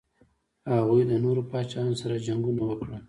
هغوی د نورو پاچاهانو سره جنګونه وکړل.